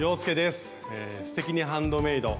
「すてきにハンドメイド」